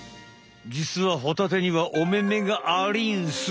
じつはホタテにはお目目がありんす。